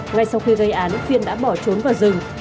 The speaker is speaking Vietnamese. ngay sau khi gây án phiên đã bỏ trốn vào rừng